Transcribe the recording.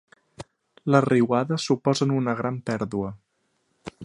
Les riuades suposen una gran pèrdua.